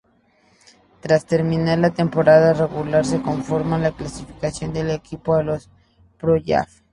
Tras terminar la temporada regular se confirma la clasificación del equipo a los playoff.